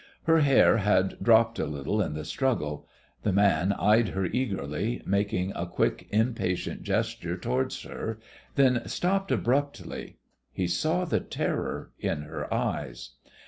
Her hair had dropped a little in the struggle. The man eyed her eagerly, making a quick, impatient gesture towards her, then stopped abruptly. He saw the terror in her eyes.